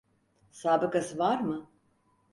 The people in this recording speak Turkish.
Sabıkası var mı?